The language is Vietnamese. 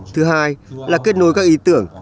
thứ hai là kết nối các ý tưởng